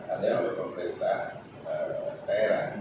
ada oleh pemerintah daerah